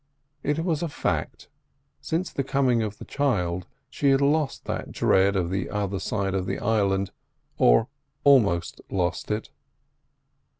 It was a fact; since the coming of the child she had lost that dread of the other side of the island—or almost lost it.